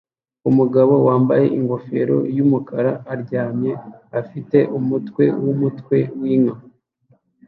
Umugabo wambaye ingofero yumukara aryamye afite umutwe wumutwe winka